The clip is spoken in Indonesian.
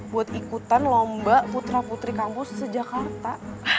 buat ikutan lomba putra putri kampus sejak karta